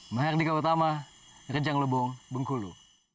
mahardika utama rejang lebong bengkulu